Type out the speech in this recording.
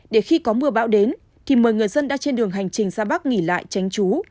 để khi có mưa bão đến thì mời người dân đã trên đường hành trình ra bắc nghỉ lại tránh trú